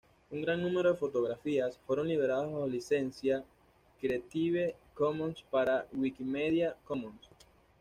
Un gran número de fotografías fueron liberadas bajo licencia Creative Commons para Wikimedia Commons.